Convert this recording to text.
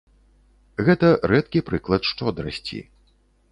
Гэта рэдкі прыклад шчодрасці.